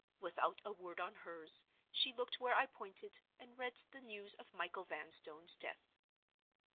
Without a word on hers, she looked where I pointed, and read the news of Michael Vanstone's death.